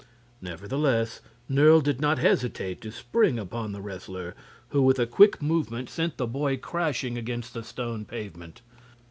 Nevertheless, Nerle did not hesitate to spring upon the Wrestler, who with a quick movement sent the boy crashing against the stone pavement.